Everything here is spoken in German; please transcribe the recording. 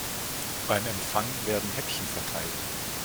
Beim Empfang werden Häppchen verteilt.